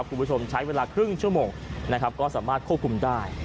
คุณผู้ชมใช้เวลาครึ่งชั่วโมงนะครับก็สามารถควบคุมได้